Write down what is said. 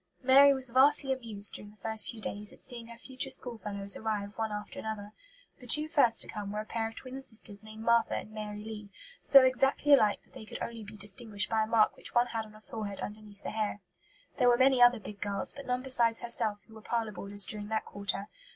Mary was "vastly amused," during the first few days, at seeing her future school fellows arrive one after another. The two first to come were a pair of twin sisters named Martha and Mary Lee, so exactly alike that they could only be distinguished by a mark which one had on her forehead under the hair. There were many other big girls, but none besides herself who were parlour boarders during that quarter.